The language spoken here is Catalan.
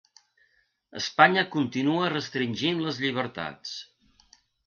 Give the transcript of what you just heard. Espanya continua restringint les llibertats.